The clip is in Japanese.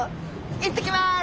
行ってきます！